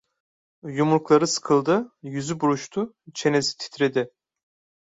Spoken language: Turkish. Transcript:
Yumrukları sıkıldı, yüzü buruştu, çenesi titredi.